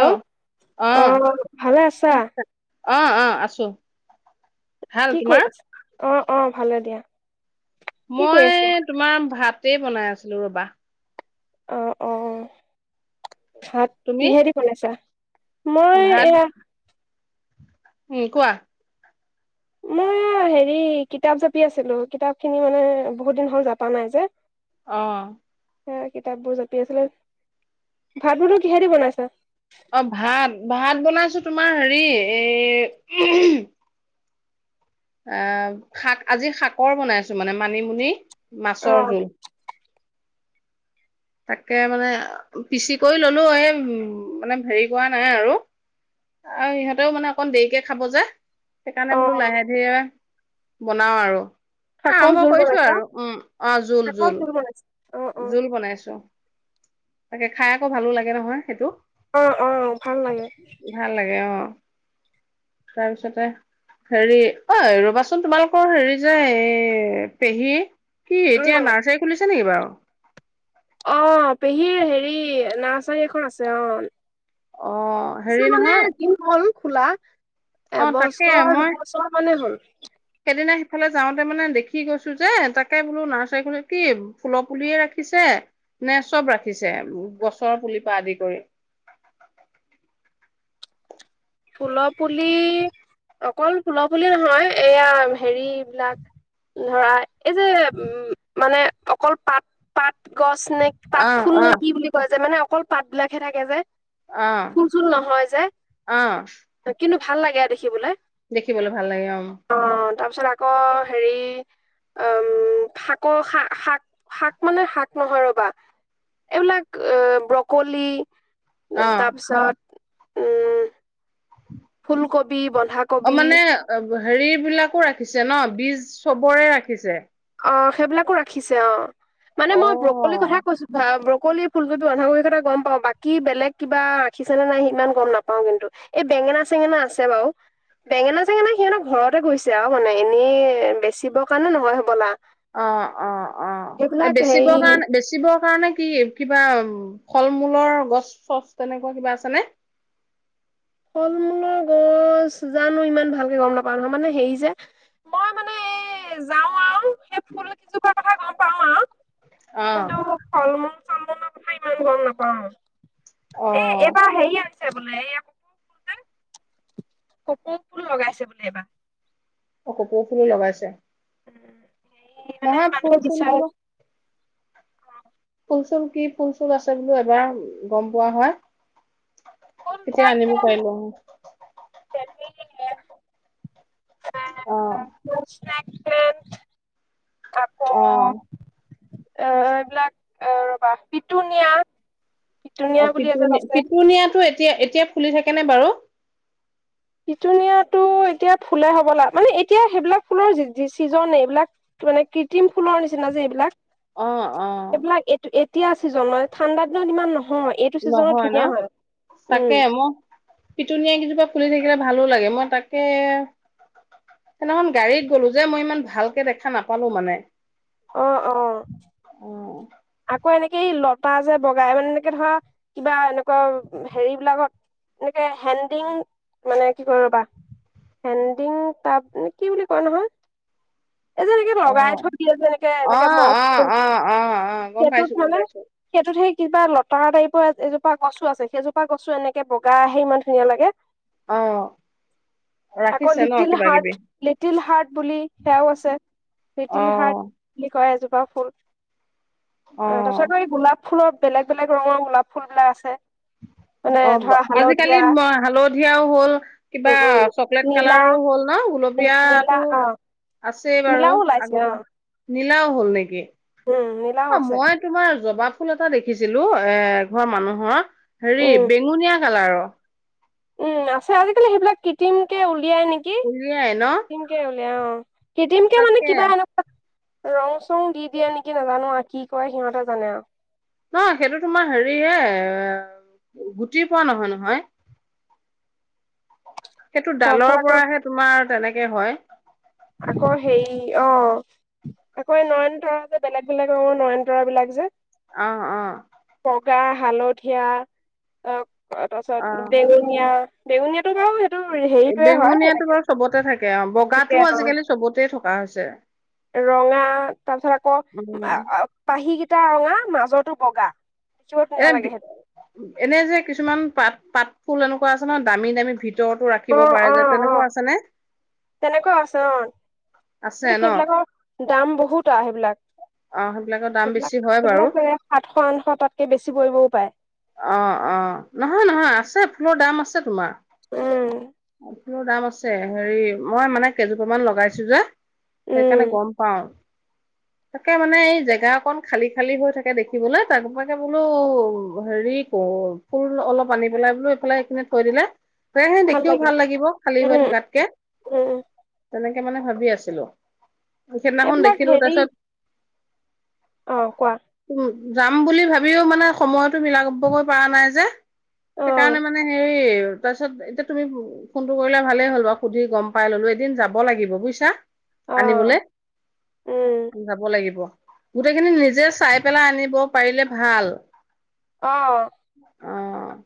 অ', অ', আহ, ভালে আছা? অ অ, আছোঁ। কি কৰি আছা? অ অ, ভালে দিয়া। কি কৰি মই আছা তোমাৰ ভাত- তেই বনাই আছিলোঁ ৰবা। অ অ। ভাত তুমি? কিহেদি বনাইছা? মই ভাত এয়া- উম, কোৱা? মই হেৰি কিতাপ জাপি আছিলোঁ, কিতাপ খিনি মানে বহুত দিন হ'ল জাপা নাই যে। অ' হে কিতাপ বোৰ জপি আছিলো, ভাত বোৰতো কিহেদি বনাইছে? অ' ভাত ভাত বনাইছোাা তোমাৰ হেৰি, এই-া এ শাক আজি শাকৰ বনাই আছো মানে মানিমুনি অ মাছৰ জোল। তাকে মানে পিচি কৰি ললো এই উ মানে হেৰি কৰা নাই আৰু আৰু ইিহঁতেও মানে অকণ দেৰিকে খাব যে। অ সেইকাৰণে বোলো লাহে ধিৰে-া বনাও আৰু। শাকৰ জোল বনাইছা শাকৰ [unintelligible] জোল বনাইছা অ অ জোল বনাইছো। তাকে খাই আকৌ ভালো লাগে নহয়, সেইটো অ অ ভাল লাগে ভাল লাগে, অ' তাৰপিছতে হেৰি, অ'ৰবাচোন তোমালোকৰ হেৰি যে এই পেহী কি এতিয়া উম নাৰ্চাৰি খুলিছা? ছে নেকি বাৰু? অ পেহীৰ হেৰি নাৰ্চাৰী এখন আছে। অ' অ' পিছে হেৰি মানে নহয় দিন হ'ল খোলা অ তাকে এবছৰ মই দুবছৰ মানে হ'ল। সেইদিনা সিফালে যাওঁতে মানে দেখি গৈছো যে, তাকে বোলো নাৰ্চাৰী খনত কি ফুলৰ পুলিয়ে ৰাখিছে নে? চব ৰাখিছে গছৰ পুলিৰ পৰা আদি কৰি। ফুলৰ পুলি, অকল ফুলৰ পুলি নহয়, এয়া হেৰি লাখ ধৰা, এইযে [unintelligible] মানে অকল পাত পাত গছ নে পাত অ ফুল অ নে কি বুলি কয় যে মানে অকল পাত বিলাকহে থাকে যে অ ফুল চুল নহয় যে অ কিন্তু, ভাল লাগে দেখিবলৈ। দেখিবলৈ ভাল লাগে, অ' তাৰপিছত আকৌ হেৰি, উ শাকৰ শ শাক শাক মানে শাক নহয় ৰবা, এইবিলাক এ ব্ৰকলি, অ তাৰপিছত আহ [unintelligible] অ মানে হে হেৰি বিলাকো ৰাখিছে ন? বীজ চবৰে ৰাখিছে? অঁ ', সেইবিলাকো ৰাখিছে অঁ',। মানে অ মই ব্ৰকলিৰ কথা কৈছো ভ [unintelligible] ব্ৰকলি, ফুলকবি, বন্ধাকবিৰ কথা গম পাও বাকি বেলেগ কিবা ৰাখিছেনে নাই ইমান গম নাপাও, কিন্তু এই বেঙেনা -চেঙেনা আছে বাৰু বেঙেনা - চেঙেনা সিহঁতক ঘৰতে গৈছে আৰু মানে এনে বেচিব কাৰণে নহয় হব। কলা অ - অ - অ এ', হেৰি বেচিবৰ কাৰণে - বেচিবৰ কাৰণে কি কিবা ফল-মূলৰ গছ চছ তেনেকুৱা কিবা আছেনে? ফল-মূলৰ গছ জানো ইমান ভালকে গম নাপাও, নহয় মানে হেৰি যে মই মানে এই যাও আৰু সেই ফুল কেইজোপাৰ কথা গম পাওঁ আৰু অহ ', চন্দন কথা ইমান গম নাপাওঁ। অ এ ', এবাৰ হেৰি আ ছে বোলে ই [unintelligible] কপৌ ফুলো লগাইছে বোলে এইবাৰ। অ', কপৌ ফুলো লগাইছে? হেৰি মানে নহয় ফুল মানুহে চুল বিচাৰে বোলো। ফুল চুল কি ফুল চুল আছে বোলো এবাৰ গম পোৱা হয় তেতিয়া ফুলবিলাক আনিব‌ পাৰিলো। অহ ', স্নাক চন [unintelligible] অহ ', এ', এইবিলাক ৰবা, পিটুনিয়া। পিটুনিয়া অ', বুলি এজাত পিটুন - আছে পিটুনিয়াটো এটো এতিয়া- এতিয়া ফুলি থাকে নে বাৰু? পিটুনিয়াটো এতিয়া ফুলে হ'ব লা মানে এতিয়া সেইবিলাক ফুলৰ জি ছিজন এই, এইবিলাক মানে কৃত্ৰিম ফুলৰ নিচিনা যে এইবিলাক। অহ', - অহ ', এইবিলাক এইটো এতিয়া চিজন হয় ঠাণ্ডা দিনত ইমান নহয়। এইটো ছিজনত নহয় ন ধুনীয়া হয় উম তাকে মই পিটোনিয়া কেইজোপা ফুলি থাকি থিকে ভালো লাগে মই তাকে সেইদিনাখন গাড়ীত গলো যে মই ইমান ভালকে দেখা নাপালো মানে। অ অ অ', আকৌ এনেকে লতা যে বগাই মানে, এনেকে ধৰা কিবা এনেকুৱা হেৰি বিলাকত এনেকে হেণ্ডিং মানে কি কৈ ৰবা, হেণ্ডিং তাত কি বুলি কয় নহয়। [unintelligible] এজে লিগী অ লগাই থৈ দিয়ে যে এনেকে - অ এনেকে মগ অ অ অ গম সেইটোত পাইছো গম হানে, পাইছো সেইটোত সেই সিটোবা লতাৰ টাইপৰ এজোপা গছো আছে। সেইজোপা গছো এনেকে বগাই আহে ইমান ধুনীয়াঁ লাগে। অ আকৌ ৰাখিছে ন লিটল কিবা কিবি হাৰ্ট- লিটল হাৰ্ট বুলি সেয়াও আছে, অ লিটল হাৰ্ট বুলি কয় জে। বফুল অ', অ তাৰ পাছত এই গোলাপ। ফুলত বেলেগ বেলেগ ৰঙৰ গোলাপ ফুলবিলাক আছে। মানে অ ধৰা আজিকালি হালধীয়া হালধীয়াও হল উম কিবা উম চকলেট নীলা কালাৰো হ'ল ন? নীলা গুলপীয়াটো অ আছেই বাৰু নীলাও ওলাইছে আগৰ অ পৰা।। নীলাও হল নেকি? উম নীলাও অ আছে মই তোমাৰ জবাব। ফুল এটা দেখিছিলো এ এঘৰ মানুহৰ। হেৰি উম বেঙুনীয়া। কালাৰৰ আৰু উম আছে আজিকালি সেইবিলাক ক্ৰিটিমকে। দিয়ে নেকি উলিয়াই ন ক্ৰিটিমকে।। তেওঁৰ ক্ৰিটিম কে মানে তাকে কিবা এনেকা। ৰং চং দি দিয়ে নেকি নাজানো আৰু কি কৰে সিহঁতে জানে আৰু। নহ সেইটো তোমাৰ হেৰিয়ে গুটি পোৱা নহয় নহয়। সেইটো ডালৰ তাৰপিছত আকৌ পৰাহে তোমাৰ। তেনেকে হয়। আকৌ হেৰি অ আকৌ এই নয়নতৰা যে বেলেগ বেলেগ অ নয়নতৰা বিলাক যে। অ অ। বগা হালধীয়া অ। তাৰ পাছত অ বেঙুনীয়া। বেঙুনীয়াত। বেঙুনীয়াটো বাৰু চবতে থাকে অ', বগাত- তেওঁ। ৰঙা তাপিছত আকৌ উম আ-আ পাহিকিটা ৰঙা। আ, মাজতো বগা। দেখিব ধুনীয়া লাগে এনেদি, সেইটো এনে যে কিছুমান পাত পাত ফুল এনেকুৱা আছে ন, দামী দামী ভিত তৰটো অ ৰাখিব অ পাৰে যে অ তেনেকুৱা আছেনে? তেনেকুৱাও আছে অ কিন্তু সেইবিলাকৰ দাম বহুত আও সেইবিলাক। অ সেইবিলাকৰ দাম বেছি সেইব্লাক হয় বাৰু সেইব্লাক সাতশ আঠশ তাতকে বেছি পৰিবও পায়। অ', অ', নহয়, নহয় আছে ফুলৰ দাম আছে তোমাৰ। উম। ফুলৰ দাম আছে। হেৰি মই মানে কেইজোপামান লগাইছো যে। সেইকাৰণে উম গম পাও। তাকে মানে এই জেগা অকন খালি খালি হৈ থাকে দেখিবলে তাৰবাকে বোলো। হেৰি ক, ফুল অলপ আনি পেলাই বোলো এইফালে এইখিনিত থৈ দিলে। হয় হয় দেখিও ভাল লাগিব খালী হৈ উম থকাতকে। উম তেনেক তাকে মানে ভাবি আছিলো। সেইদিনাখন এইবিলাক দেখিলো। হেৰি তাইছত অ', কোৱা? যাম বুলি ভাবিও মানে সময় মিলাব্বগৈ পাৰা নাই যে। অ সেইকাৰণে মানে হেৰি তাইছত এতিয়া তুমি ফোনটো কৰিলা ভালেই হ'ল বাৰু, সুধি গম পাই ললো এদিন যাব লাগিব বুইছা? অ আনিবলৈ। উম যাব লাগিব। গোটেইখিনি নিজে চাই পেলাই আনিব পাৰিলে ভাল। অ'। অ'।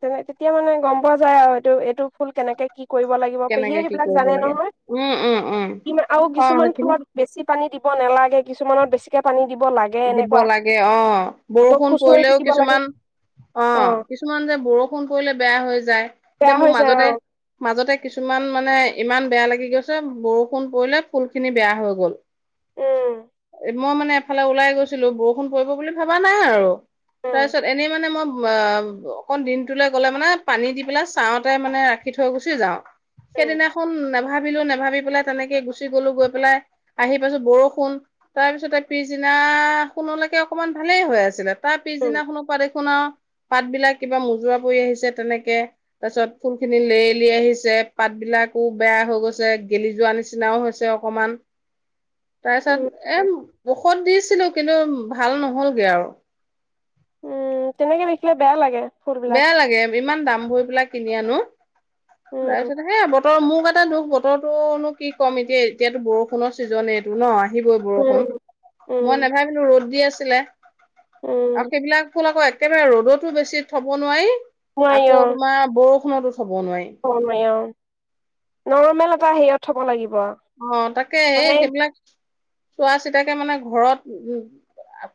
তেনে তেতিয়া মানে গম পোৱা যায় আৰু এইটো এইটো ফুল কেনেকে কি কৰিব লাগিব পেহীয়ে কেনেকে কি সেইবিলাক কৰিব জানে লাগে। নহয়? উম, উম, উম। কিমা আৰু অ' কিছুমান সেইখিনি ফুলত বেছি পানী দিব নেলাগে কিছুমানত বেছিকে পানী দিব লাগে দিব এনেকুৱা লাগে অ', আকৌ বৰষুণ খুচৰি পৰিলেও থাকিব লাগে কিছুমান, অ', কিছুমান যে বৰষ ফোন কৰিলে বেয়া হৈ যায়। বেয়া দে মোৰ হৈ যায় অ মাজতে, মাজতে কিছুমান মানে ইমান বেয়া লাগি গৈছে, বৰষুণ পৰিলে ফুল খিনি বেয়া হৈ গল। উ। মই মানে এফালে ওলাই গৈছিলো বৰষুণ পৰিব বুলি ভাবা নাই আৰু উম তাইছত এনেই মানে মম অ অকন দিনটোলৈ গলে মানে পানী দি পেলাই চাওঁতে মানে ৰাখি থৈ গুচি যাওঁ উম সেইদিনাখন নেভাবিলো নেভাবি পেলাই তেনেকে গুচি গলো গৈ পেলাই আহি পাইছো বৰষুণ তাৰ পিছতে পিছদিনা তাৰ শুনলৈকে অকমান ভালেই হৈ আছিলে। তাৰ উম পিছদিনাখনৰ পৰা দেখোনা পাত বিলাক কিবা মুজুৰা পৰি আহিছে তেনেকে তাৰপিছত ফুল খিনি লে লে আহিছে পাতবিলাকো বেয়া হৈ গৈছে গেলি যোৱা নিচিনাও হৈছে অকমান তাৰ পিছত উম এ মুখত দিছিলো ভাল নহ'লগে আৰু। উম, তেনেকে লিখিলে বেয়া লাগে ফুলবিলাক বেয়া লাগে ইমান দাম ভৰি পেলাক কিনি আনো। তাৰ উম পিছত সে বতৰৰ মোভ আনে এটা দুখ বতৰতোনো কি ক'ম এতিয়া এতিয়াতো বৰষুণৰ ছিজনে এইটো ন আহিবই উম বৰষুণ মই উম নাভাবিলো ৰ'দ দি আছে টিলে আৰু উম সেইবিলাক ফোন আকৌ একেবাৰে ৰ'দতো বেছি থ'ব নোৱাৰি। আকৌ নোৱাৰি অ তোমাৰ ব ৰষুণতো থব নোৱাৰি অ। নৰ্মেল এটা হেৰিয়ত থ'ব লাগিব। অ তাকে এই মানে সেইবিলাক চোৱা চিতাকে মানে ঘৰত উ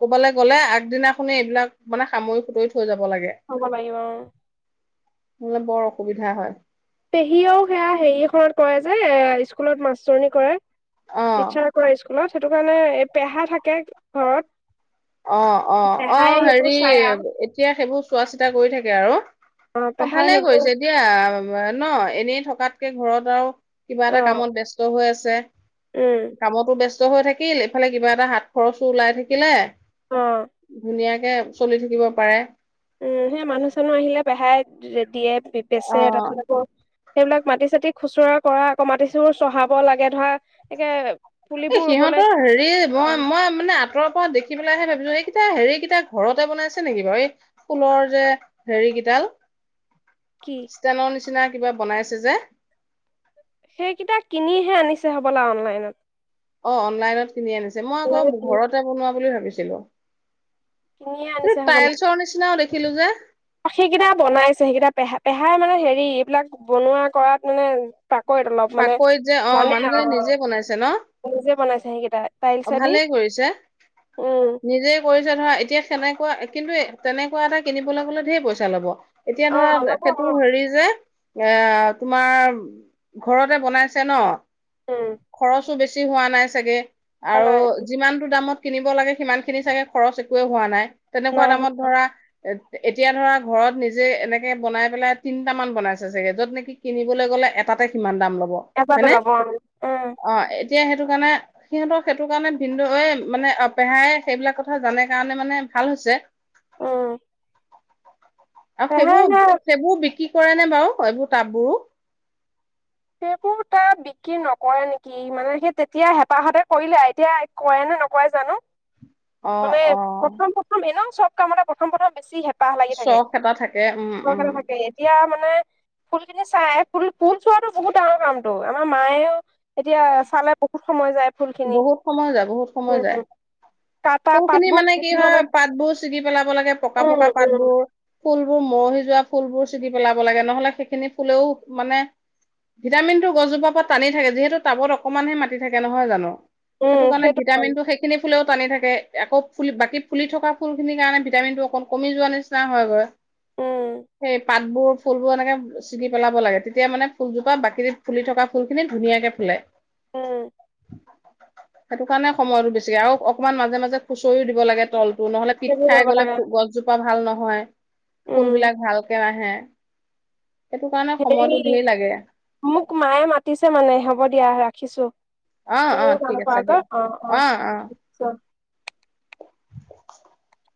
কবালৈ গলে আগদিনাখনে এইবিলাক মানে সামৰি সুতৰি থৈ যাব থব লাগিব অ। হলে বৰ অসুবিধা হয়। পেহীয়েও সেয়া হেৰি এখনত কৰে যে এ স্কুলত মাষ্টৰণী কৰে। অ টিচাৰ কৰে স্কুলত, সেইটো কাৰণে এই পেহা থাকে ঘৰত। অ, অ, অ পেহাই সেইবোৰ হেৰি চাই আৰু এতিয়া সেইবোৰ চোৱা চিতা কৰি থাকে আৰু। অ পেহাই ভালে সেইবোৰ কৰিছে দিয়া ন এনেই থকাতকে ঘৰত আৰু কিবা অ এটা কামত ব্যস্ত হৈ আছে। উম ছে। কামতো ব্যস্ত স্ত হৈ থাকিল, এইফালে কিবা এটা হাত খৰচো ওলাই থাকিলে। অ ধুনীয়া কে চলি থাকিব পাৰে। উম, সেই মানুহ-চানুহ আহিলে পেহাই যে দিয়ে। এই পেছে অ', তাৰপিছত আকৌ সেইবিলাক মাটি-চাটি খুচুৰা কৰা আকৌ মাটি চোৰ চহাব লাগে ধৰা একে এ পুলিবোৰ ৰুবলৈ সিহঁতৰ হেৰি অ মই মই মানে আঁতৰৰ পৰা দেখি পেলাইহে ভাবোঁ এইকেইটা হেৰি কেইটা ঘৰতে বনাইছে নেকি বাৰু? এই ফুলৰ যে হেৰি কেইডাল। কি স্টেনৰ নিচি নিচিনা কিবা বনাইছে যে। বলা অনলাইনত। অ অনলাইনত কিনি আনিছে। মই অনলাইনত আকৌ কিনি ঘৰতে বনোৱা বুলি ভাবি ছিলোঁ। কিনিয়ে আনিছে সেইটো হ'বলা টাইলচৰ নিচিনা দেখি ছিলোঁ যে। সেইকেইটা বনাইছে সেইকেইটা পেহা পেহাই মানে হেৰি এইবিলাক বনোৱা কৰাত মানে, পাকৈত অলপ মানে পাকৈত যে অ জানে মানুহজনী আৰু নিজে বনাইছে ন? নিজে বনাইছে সেইকেইটা অ টাইলছে দি ভালেই কৰিছে। উম নিজে কৰিছে ধৰা এতিয়া সেনেকুৱা কিন্তু তেনেকুৱা এটা কিনিবলৈ গ'লে ঢেৰ পইছা ল'ব। এতিয়া অ ধৰা ল'ব অ সেইটো হেৰি যে, এ--তোমাৰ ঘৰতে বনাইছে ন? উম খৰচো বেছি। বেছি হোৱা নাই চাগে। আৰু নাই যিমানটো দামত কিনিব লাগে সিমানখিনি চাগে খৰচ একোৱেই হোৱা নাই। তেনেকুৱা নাই দামত ধৰা, এতিয়া ধৰা ঘৰত নিজে এনেকে বনাই পেলাই তিনিটা মান বনাইছে চাগে, য'ত নেকি কিনিবলৈ গ'লে এটা টাতে কিমান দাম ল'ব। এটাতে ল'ব আৰু উম। অ এতিয়া সেইটো কাৰণে সিহঁতক সেইটো কাৰণে ভিনদেউৱে মানে অ পেহাই সেইবিলাক কথা জানে কাৰণে মানে ভাল হৈছে। অ আৰু সেইবোৰ সেইবোৰ বিক্ৰী কৰেনে বাৰু এইবোৰ টাববোৰো? সেইবোৰ তাত বি ক্ৰি নকৰে নেকি, মানে সেই তেতিয়া হেঁপাহতে কৰিলে এতিয়া কৰে নে নকৰে জানোঁ। অ মানে অ প্ৰথম প্ৰথমে ন চব কামতে প্ৰথম প্ৰথম বেছি হেপাহ। বাহ লাগি থাকে। চখ এটা থাকে উম চব উম ফালে থাকে এতিয়া মানে ফুল খিনি চায় ফুল ফুল চোৱাটো বহুত ডাঙৰ কামতটো আমাৰ মায়েও এতিয়া চালে বহুত সময় যায়। ফুল খিনি বহুত সময় যায় বহুত সময় উম যায়। উম কাটা ফুল খিনি পাতবোৰ মানে কাটি কি থাকিব হয় লাগে পাতবোৰ ছিগি পেলাব লাগে পকা উম পকা উম পাতবোৰ ফুলবোৰ মৰহি যোৱা ফুলবোৰ ছিগি পেলাব লাগে নহলে সেইখিনি ফুলেও মানে ভিটামিনটো গছজোপা পৰা টানি থাকে যিহেতু টাবত অকমান হে মাটি থাকে নহয় জানো। সেইটো কাৰণে ভিটামিনটো সেইখিনিত ফুলেও টানি থাক তাকে আকৌ ফুলি বাকি ফুলি থকা ফুল খিনিৰ কাৰণে ভিটামিনটো অকণ কমি যোৱা নিচিনা হয়গৈ। উম সেই পাত বোৰ ফুলবোৰ এনেকে ছিঙি পেলাব লাগে তেতিয়া মানে ফুলজোপা বাকী ফুলি থকা ফুল খিনি ধুনীয়াকে ফুলে। উম সেইটো কাৰণে সময়ৰ বেছি আৰু অক অকমান মাজে মাজে খুচৰিও দিব লাগে তল নহ'লে পিত সেইবোৰ খাই কৰিব গ'লে লাগে গছজোপা ভা ভাল নহয়। ফুল বিলাক ভালকে নাহে, সেইটো কাৰণে সময়টো ধেৰ লাগে মোক মায়ে মাতিছে মানে হ'ব দিয়া ৰাখিছো। অ অ তুমিও গম ঠিক পোৱা আছে যে দিয়া অ অ আচ্ছা। [unintelligible] [unintelligible]